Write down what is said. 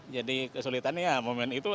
jadi kesulitannya ya momen itu